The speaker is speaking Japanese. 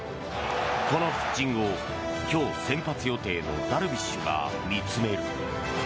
このピッチングを今日、先発予定のダルビッシュが見つめる。